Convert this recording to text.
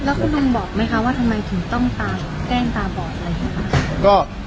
แล้วคุณบอกไหมคะว่าทำไมถึงต้องตาแกล้งตาบอดอะไรครับ